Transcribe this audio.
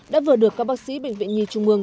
đã vừa được các bác sĩ bệnh viện nhi trung mương